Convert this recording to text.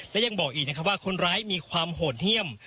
และยังบอกอีกนะครับว่าคนร้ายมีความโหดเยี่ยม